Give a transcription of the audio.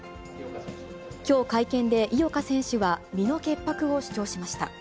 きょう会見で井岡選手は身の潔白を主張しました。